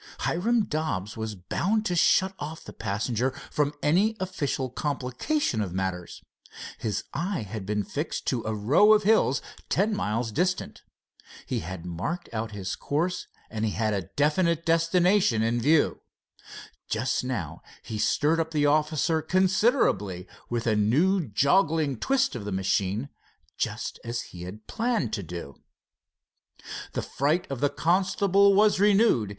Hiram Dobbs was bound to shut off the passenger from any official complication of matters. His eye had been fixed to a row of hills ten miles distant. He had marked out his course and he had a definite destination in view. Just now he stirred up the officer considerably with a new joggling twist of the machine, just as he had planned to do. The fright of the constable was renewed.